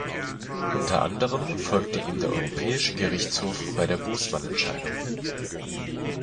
Unter anderem folgte ihm der Europäische Gerichtshof bei der Bosman-Entscheidung.